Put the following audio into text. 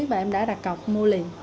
và em đã đặt cọc mua liền